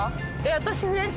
私。